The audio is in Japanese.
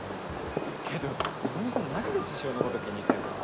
けどイズミさんマジで獅子王のこと気に入ってんすか？